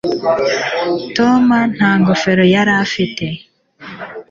Tom nta ngofero yari afite